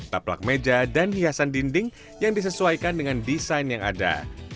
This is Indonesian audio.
taplak meja dan hiasan dinding yang disesuaikan dengan desain yang ada